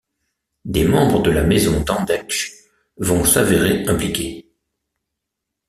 Des membres de la Maison d'Andechs vont s'avèrer impliqués.